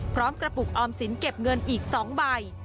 กระปุกออมสินเก็บเงินอีก๒ใบ